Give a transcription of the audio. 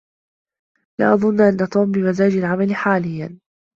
لا أظن أن توم بمزاج العمل حاليا.